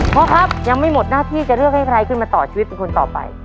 พ่อครับยังไม่หมดหน้าที่จะเลือกให้ใครขึ้นมาต่อชีวิตเป็นคนต่อไป